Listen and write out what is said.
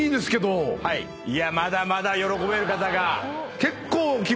いやまだまだ喜べる方が。